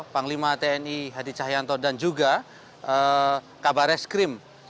panglima tni hadi cahyanto dan juga kabarreskrim